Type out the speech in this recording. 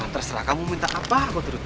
terserah kamu mau minta apa gue turutin